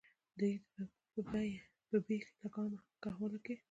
د دوي پۀ بې لګامه کولو کښې